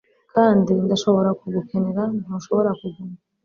kandi ndashobora kugukenera; ntushobora kuguma